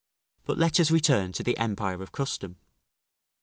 But let us return to the empire of custom.